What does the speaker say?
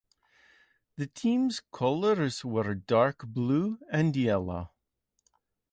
The team's colors were dark blue and yellow.